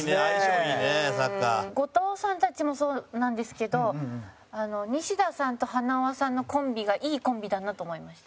後藤さんたちもそうなんですけど西田さんと塙さんのコンピがいいコンビだなと思いました。